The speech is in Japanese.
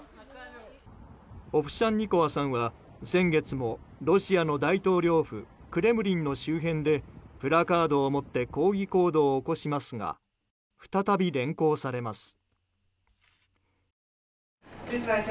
オフシャンニコワさんは先月もロシアの大統領府クレムリンの周辺でプラカードを持って抗議行動を起こしますが再び連行されます。